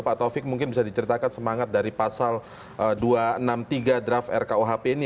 pak taufik mungkin bisa diceritakan semangat dari pasal dua ratus enam puluh tiga draft rkuhp ini